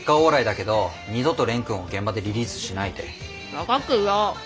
分かってるよ。